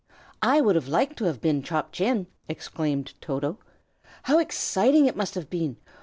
"I should like to have been Chop Chin!" exclaimed Toto. "How exciting it must have been!